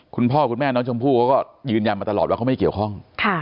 คุณพ่อคุณแม่น้องชมพู่เขาก็ยืนยันมาตลอดว่าเขาไม่เกี่ยวข้อง